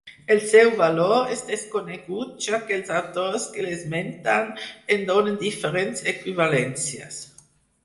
El seu valor és desconegut, ja que els autors que l'esmenten en donen diferents equivalències.